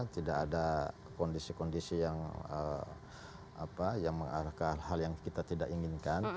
tidak ada kondisi kondisi yang mengarah ke hal yang kita tidak inginkan